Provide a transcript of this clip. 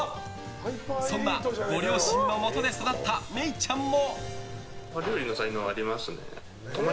そんなご両親のもとで育った愛以ちゃんも。